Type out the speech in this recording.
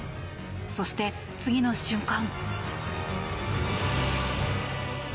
そして、次の瞬間。